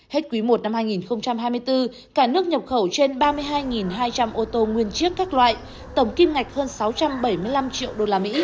hết quý i năm hai nghìn hai mươi bốn cả nước nhập khẩu trên ba mươi hai hai trăm linh ô tô nguyên chiếc các loại tổng kim ngạch hơn sáu trăm bảy mươi năm triệu usd